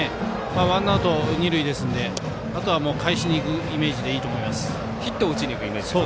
ワンアウト、二塁ですのであとは返しにいくイメージでいいと思います。